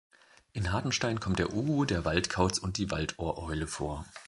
In Hartenstein kommt der Uhu, der Waldkauz und die Waldohreule vor.